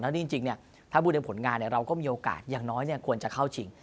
แล้วนี่จริงถ้าพูดเรื่องผลงานเราก็มีโอกาสอย่างน้อยควรจะเข้าจริง